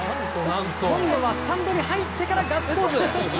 今度はスタンドに入ってからガッツポーズ。